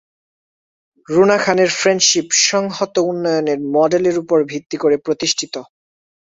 রুনা খানের ফ্রেন্ডশিপ "সংহত উন্নয়নের" মডেলের উপর ভিত্তি করে প্রতিষ্ঠিত।